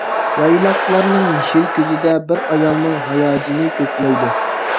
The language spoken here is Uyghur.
يايلاقلارنىڭ يېشىل كۆزىدە، بىر ئايالنىڭ ھاياجىنى كۆكلەيدۇ.